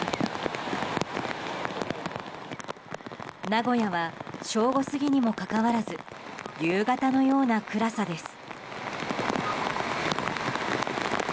名古屋は正午過ぎにもかかわらず夕方のような暗さです。